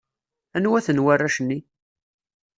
Anwa-ten warrac-nni?